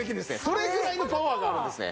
それぐらいのパワーがあるんですね。